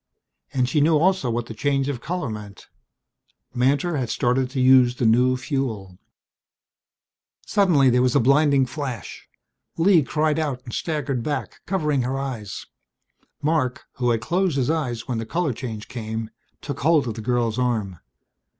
And she knew also what the change of color meant. Mantor had started to use the new fuel! Suddenly there was a blinding flash. Lee cried out and staggered back, covering her eyes. Marc, who had closed his eyes when the color change came, took hold of the girl's arm.